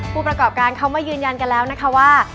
ผู้ประกอบการเขามายืนยันกันแล้วนะคะว่า